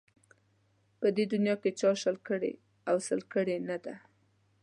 په دې دنیا کې چا شل کړي او سل کړي نه ده